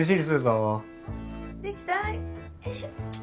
よいしょ。